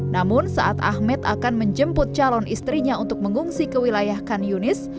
namun saat ahmed akan menjemput calon istrinya untuk mengungsi ke wilayah khan yunis